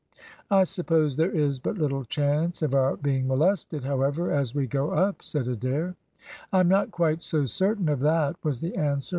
"I suppose there is but little chance of our being molested, however, as we go up?" said Adair. "I am not quite so certain of that," was the answer.